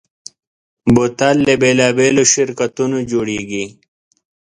بوتل له بېلابېلو شرکتونو جوړېږي.